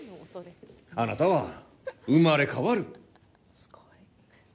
あなたは生まれ変わる！